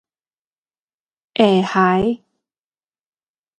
下頦